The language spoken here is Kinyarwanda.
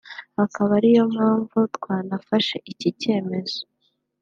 akaba ariyo mpanvu twanafashe iki cyemezo